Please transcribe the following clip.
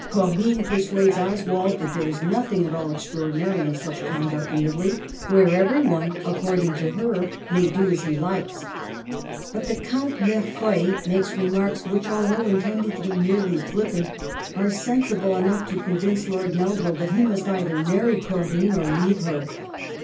Corinne persuades Oswald that there is nothing at all extraordinary in such conduct in Italy, where everyone, according to her, may do as he likes. But the Count L'Erfeuil makes remarks which, although intended to be merely flippant, are sensible enough to convince Lord Nelvil that he must either marry Corinne or leave her.